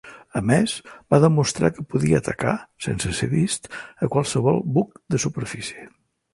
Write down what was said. A més, va demostrar que podia atacar, sense ser vist, a qualsevol buc de superfície.